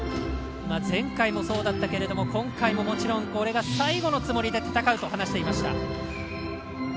前回もそうだったけれども今回も、もちろんこれが最後のつもりで戦うと話していました。